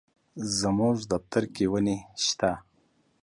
زموږ دفتر کي وني شته.